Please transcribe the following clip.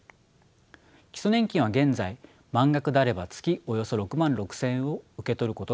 基礎年金は現在満額であれば月およそ６万６，０００円を受け取ることができます。